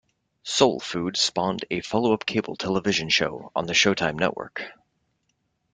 "Soul Food" spawned a follow-up cable television show on the Showtime network.